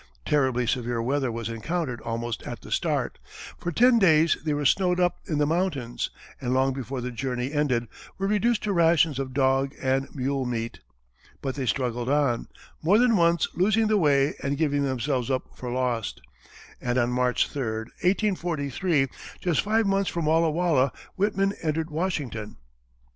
Terribly severe weather was encountered almost at the start, for ten days they were snowed up in the mountains, and long before the journey ended, were reduced to rations of dog and mule meat. But they struggled on, more than once losing the way and giving themselves up for lost, and on March 3, 1843, just five months from Walla Walla, Whitman entered Washington.